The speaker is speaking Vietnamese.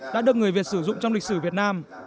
đã được người việt sử dụng trong lịch sử việt nam